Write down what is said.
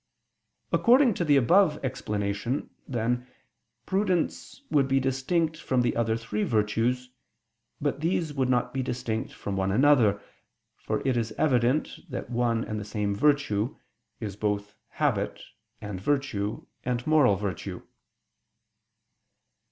According to the above explanation, then, prudence would be distinct from the other three virtues: but these would not be distinct from one another; for it is evident that one and the same virtue is both habit, and virtue, and moral virtue.